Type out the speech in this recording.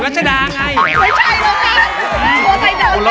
อยากดู